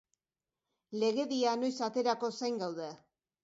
Legedia noiz aterako zain gaude.